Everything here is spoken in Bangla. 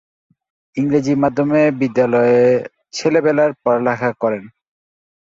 ইংরেজি মাধ্যমে বিদ্যালয়ের ছেলেবেলায় লেখাপড়া করেন।